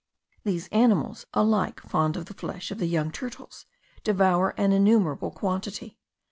These animals, alike fond of the flesh of the young turtles, devour an innumerable quantity.